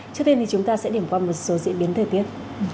trước tiên thì chúng ta sẽ điểm qua một số diễn biến thời tiết